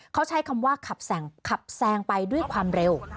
เขาใช้คำว่าขับแซงไปด้วยความเร็ว